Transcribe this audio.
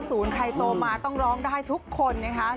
ยุค๙๐ใครโตมาต้องร้องได้ทุกคนนะครับ